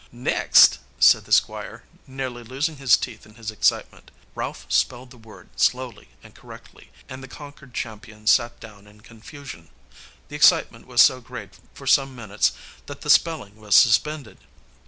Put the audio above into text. "Next," said the Squire, nearly losing his teeth in his excitement. Ralph spelled the word slowly and correctly, and the conquered champion sat down in confusion. The excitement was so great for some minutes that the spelling was suspended.